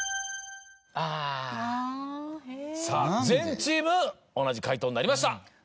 全チーム同じ解答になりました。